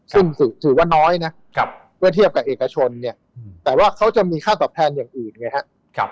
ซึ่งถือว่าน้อยนะเมื่อเทียบกับเอกชนเนี่ยแต่ว่าเขาจะมีค่าตอบแทนอย่างอื่นไงครับ